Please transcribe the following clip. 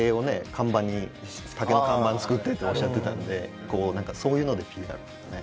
看板に竹の看板作ってっておっしゃってたのでこう何かそういうのでＰＲとかね。